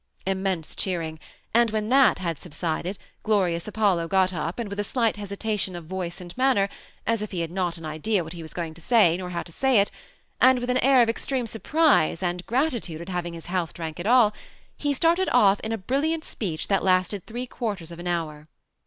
Immense cheering ; and when that had sub sided, Glorious Apollo got up, and with a slight hesita tion of voice and manner, as if he had not an idea what THE SEMI ATTACHED COUPLE. 197 he was going to say, nor how to say it, and with an air of extreme surprise and gratitude at having his health drank at all, he started off in a brilliant speech that lasted three quarters of an hour.